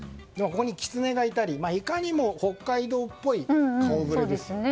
キツネがいたりいかにも北海道っぽい顔ぶれですよね。